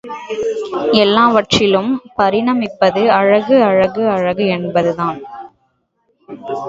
எல்லாவற்றிலும் பரிணமிப்பது அழகு, அழகு, அழகு என்பது தான்.